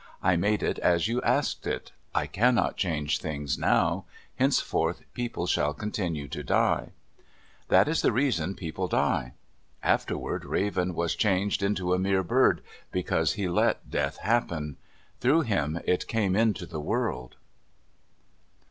I made it as you asked it. I cannot change things now. Henceforth people shall continue to die." That is the reason people die. Afterward Raven was changed into a mere bird, because he let death happen. Through him it came into the world.